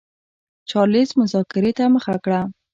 چارلېز مذاکرې ته مخه کړه.